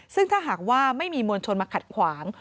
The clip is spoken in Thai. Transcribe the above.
ซึ่งถ้าหากว่าไม่มีมวลชนมาขัดขวาง